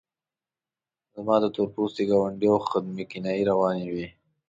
زما د تور پوستي ګاونډي او خدمې کنایې روانې وې.